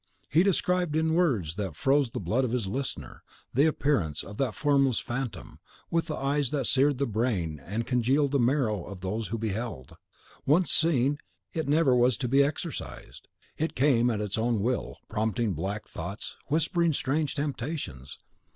He described, in words that froze the blood of his listener, the appearance of that formless phantom, with the eyes that seared the brain and congealed the marrow of those who beheld. Once seen, it never was to be exorcised. It came at its own will, prompting black thoughts, whispering strange temptations.